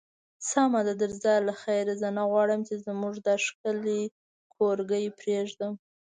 سمه ده، درځه له خیره، زه نه غواړم چې زموږ دا ښکلی کورګی پرېږدم.